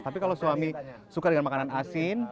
tapi kalau suami suka dengan makanan asin